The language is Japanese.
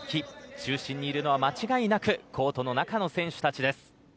中心にいるのは、間違いなくコートの中の選手たちです。